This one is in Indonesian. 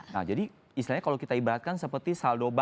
nah jadi istilahnya kalau kita ibaratkan seperti saldo bank gitu mbak